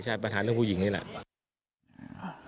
ใช่ปัญหาเรื่องผู้หญิงนี่แหละ